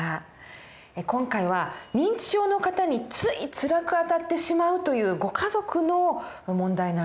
今回は認知症の方についつらくあたってしまうというご家族の問題なんですけれども。